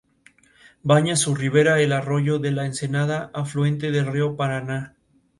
Nacido de la Logia Heracles y bajo los auspicios del Gran Oriente de Francia.